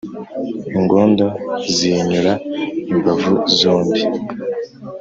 ingondo ziyinyura imbavu zombie